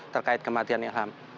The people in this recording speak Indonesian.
terkait kematian ilham